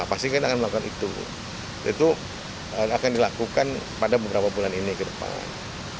pasti kita akan melakukan itu itu akan dilakukan pada beberapa bulan ini ke depan